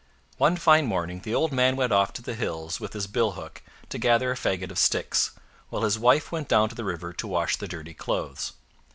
One fine morning the old man went off to the hills with his bill hook to gather a faggot of sticks, while his wife went down to the river to wash the dirty clothes.